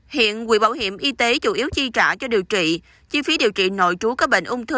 hiện quỹ bảo hiểm y tế chủ yếu chi trả cho điều trị chi phí điều trị nội trú các bệnh ung thư